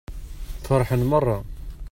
Feṛḥen meṛṛa.